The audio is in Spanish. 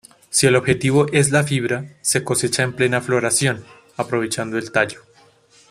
Si el objetivo es la fibra, se cosecha en plena floración, aprovechando el tallo.